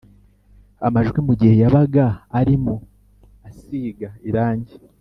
amajwi mu gihe yabaga arimo asiga irangi